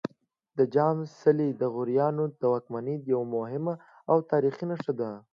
د جام څلی د غوریانو د واکمنۍ یوه مهمه او تاریخي نښه ده